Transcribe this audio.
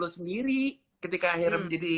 sendiri ketika akhirnya menjadi